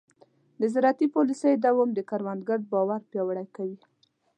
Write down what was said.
د زراعتي پالیسیو دوام د کروندګر باور پیاوړی کوي.